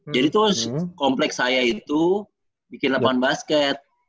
jadi tuh kompleks saya itu bikin lapangan basket